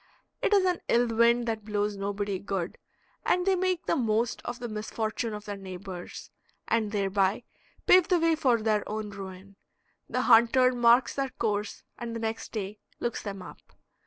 It is an ill wind that blows nobody good, and they make the most of the misfortune of their neighbors; and thereby pave the way for their own ruin. The hunter marks their course and the next day looks them up.